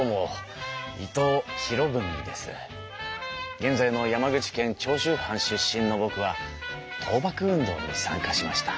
現在の山口県長州藩出身のぼくは倒幕運動に参加しました。